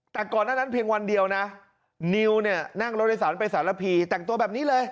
แต่ก่อนหน้านั้นเพียงวันเดียวนะนิวเนี่ยนั่งรถโดยสารไปสารพีแต่งตัวแบบนี้เลย